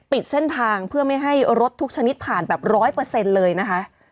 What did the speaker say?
ปิดเส้นทางเพื่อไม่ให้รถทุกชนิดผ่านแบบ๑๐๐เลยนะคะ